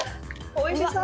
おいしそう！